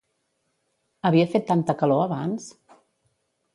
Havia fet tanta calor abans?